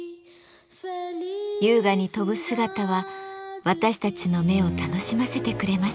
優雅に飛ぶ姿は私たちの目を楽しませてくれます。